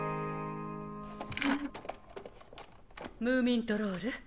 ムーミントロール。